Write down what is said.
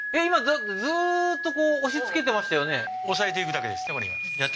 今だってずーっと押しつけてましたよね押さえていくだけです